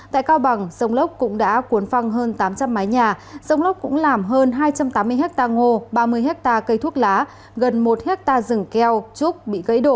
tại cao bằng rông lốc cũng đã cuốn phăng hơn tám trăm linh mái nhà rông lốc cũng làm hơn hai trăm tám mươi ha ngô ba mươi ha cây thuốc lá gần một ha rừng keo trúc bị gây đổ